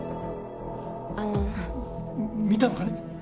あの見たのかね？